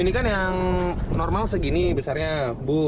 ini kan yang normal segini besarnya bu